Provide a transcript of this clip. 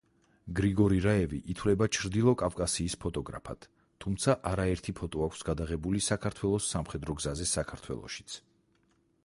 გრიგორი რაევი ითვლება ჩრდილოკავკასიის ფოტოგრაფად, თუმცა არაერთი ფოტო აქვს გადაღებული საქართველოს სამხედრო გზაზე საქართველოშიც.